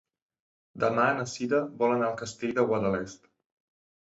Demà na Sira vol anar al Castell de Guadalest.